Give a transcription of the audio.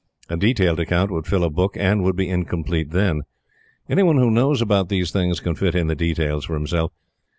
A detailed account would fill a book, and would be incomplete then. Any one who knows about these things can fit in the details for himself.